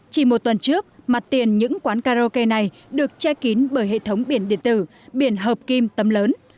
chỉ một tuần trước mặt tiền những quán karaoke này được che kín bởi hệ thống biển điện tử biển hợp kim tấm lớn